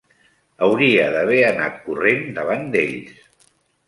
Hauria d'haver anat corrent davant d'ells.